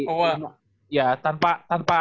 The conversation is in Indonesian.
oh wah ya tanpa